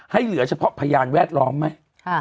เหลือเฉพาะพยานแวดล้อมไหม